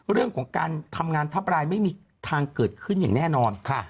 เรื่องของการทำงานทับรายไม่มีทางเกิดขึ้นอย่างแน่นอน